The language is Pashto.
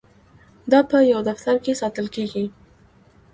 دا په یو دفتر کې ساتل کیږي.